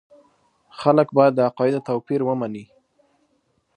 خلک باید د عقایدو توپیر ومني.